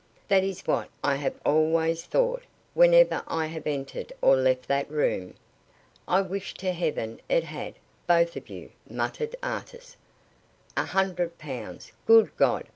"That is what I have always thought whenever I have entered or left that room." "I wish to Heaven it had both of you," muttered Artis. "A hundred pounds. Good God!